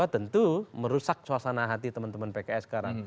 tentu merusak suasana hati teman teman pks sekarang